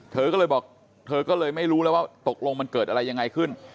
เธอก็เลยบอกเธอก็เลยไม่รู้แล้วว่าตกลงมันเกิดอะไรยังไงขึ้น